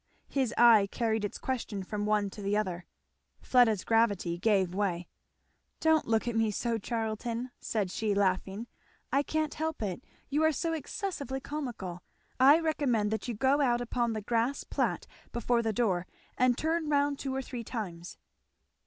His eye carried its question from one to the other. Fleda's gravity gave way. "Don't look at me so, Charlton," said she laughing; "I can't help it, you are so excessively comical! I recommend that you go out upon the grass plat before the door and turn round two or three times."